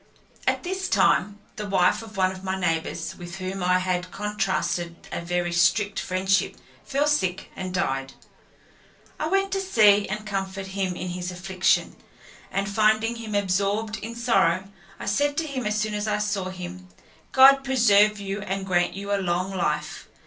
At this time the wife of one of my neighbours, with whom I had contrasted a very strict friendship, fell sick, and died. I went to see and comfort him in his affliction, and finding him absorbed in sorrow, I said to him as soon as I saw him, "God preserve you and grant you a long life."